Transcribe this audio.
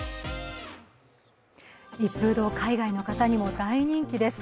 一風堂、海外の方にも大人気です